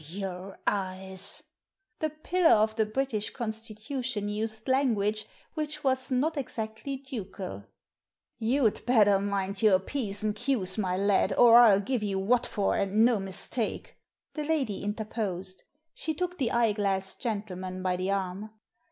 *• your eyes!" The pillar of the British Constitution used language which was not exactly ducal. " You'd better mind your p's and q's, my lad, or ril give you what for, and no mistake." The lady interposed. She took the eyeglassed gentleman by the arm.